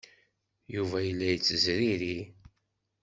Yuba yella yettezriri.